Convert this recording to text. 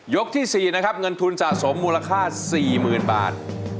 ยกที่สี่นะครับเงินทุนสะสมมูลค่าสี่หมื่นบาท